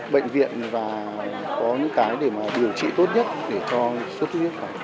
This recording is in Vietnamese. bệnh viện và có những cái để mà điều trị tốt nhất để cho suốt suốt huyết vào